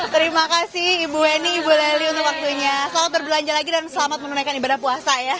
terima kasih ibu eni ibu leli untuk waktunya selamat berbelanja lagi dan selamat menunaikan ibadah puasa ya